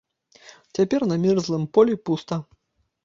Цяпер на мёрзлым полі пуста.